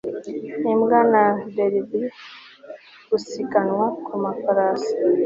imbwa na derby gusiganwa kumafarasi